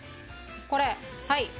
これはい。